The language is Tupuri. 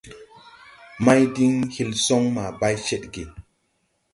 Mày diŋ hil son maa bay ced ge.